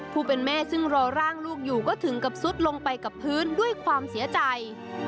ผู้เป็นแม่ซึ่งรอร่างลูกอยู่ก็ถึงกับซุดลงไปกับพื้นด้วยความเสียใจ